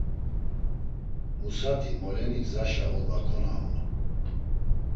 Musati moleni gzaşa olva konaonu.